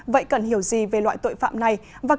vậy cần hiểu gì về loại tội phạm này